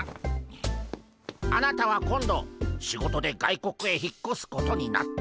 あなたは今度仕事で外国へ引っこすことになった。